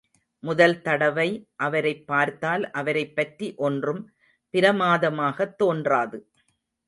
முதல் தடவை அவரைப் பார்த்தால் அவரைப் பற்றி ஒன்றும் பிரமாதமாகத் தோன்றாது.